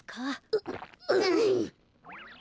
ううん。